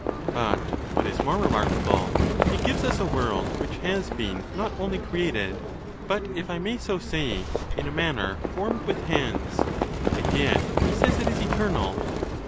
But, what is more remarkable, he gives us a world which has been not only created, but, if I may so say, in a manner formed with hands, and yet he says it is eternal.